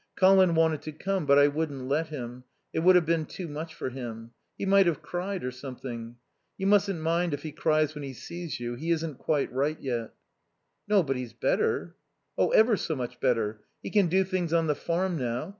"Colin wanted to come, but I wouldn't let him. It would have been too much for him. He might have cried or something ... You mustn't mind if he cries when he sees you. He isn't quite right yet." "No, but he's better." "Ever so much better. He can do things on the farm now.